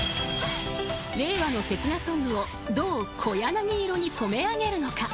［令和の切なソングをどう小柳色に染め上げるのか？］